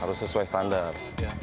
harus sesuai standar